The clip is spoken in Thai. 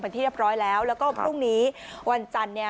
เป็นที่เรียบร้อยแล้วแล้วก็พรุ่งนี้วันจันทร์เนี่ย